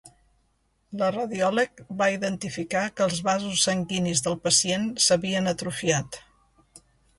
La radiòleg va identificar que els vasos sanguinis del pacient s'havien atrofiat.